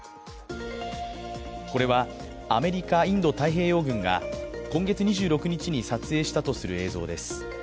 これはアメリカ・インド太平洋軍が今月２６日に撮影したとする映像です。